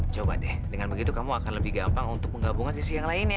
coba deh dengan begitu kamu akan lebih gampang untuk menggabungkan sisi yang lainnya